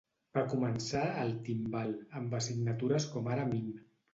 Va començar a El Timbal, amb assignatures com ara mim.